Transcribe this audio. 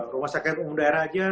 rumah sakit umum daerah aja